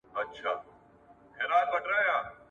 د نجونو تعليم ګډ فکر رامنځته کوي.